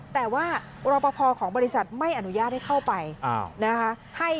แต่ว่ารอปภของบริษัทไม่อนุญาตให้เข้าไปนะคะ